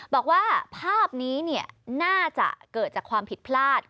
บอกว่าภาพนี้น่าจะเกิดจากความผิดพลาด